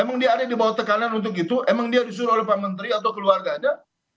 emang dia ada di bawah tekanan untuk itu emang dia disuruh oleh pak menteri atau keluarga aja